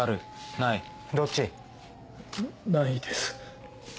ないです。